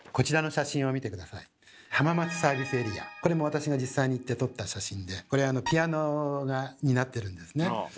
これも私が実際に行って撮った写真でこれピアノになってるんですね。